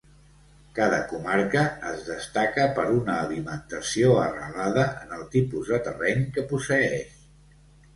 Cada comarca es destaca per una alimentació arrelada en el tipus de terreny que posseeix.